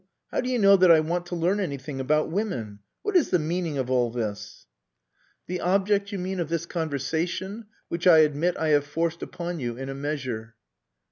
How do you know that I want to learn anything about women?... What is the meaning of all this?" "The object, you mean, of this conversation, which I admit I have forced upon you in a measure."